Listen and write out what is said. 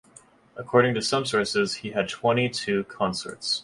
According to some sources, he had twenty-two consorts.